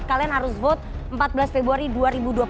kalian harus vote empat belas februari dua ribu dua puluh empat